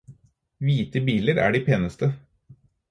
Hvite biler er de peneste.